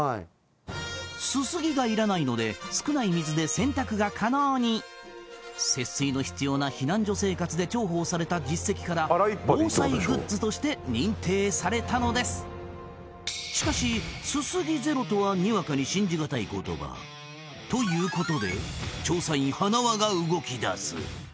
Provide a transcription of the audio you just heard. すすぎがいらないので少ない水で洗濯が可能に節水の必要な避難所生活で重宝された実績から防災グッズとして認定されたのですしかしすすぎゼロとはにわかに信じがたい言葉ということで調査員はなわが動きだす